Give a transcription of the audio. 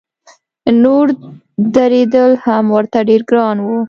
نور درېدل هم ورته ډېر ګران و.